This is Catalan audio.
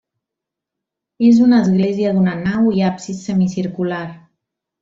És una església d'una nau i absis semicircular.